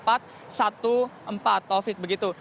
atau vik begitu